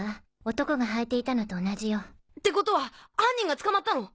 男が履いていたのと同じよ。ってことは犯人が捕まったの？